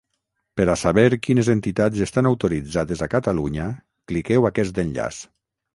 Per a saber quines entitats estan autoritzades a Catalunya cliqueu aquest enllaç.